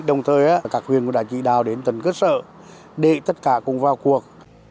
đồng thời các quyền cũng đã chỉ đào đến tầng cơ sở để tất cả cùng vào cuộc